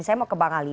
saya mau ke bang ali